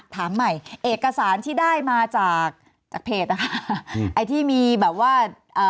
ถามใหม่เอกสารที่ได้มาจากจากเพจนะคะอืมไอ้ที่มีแบบว่าเอ่อ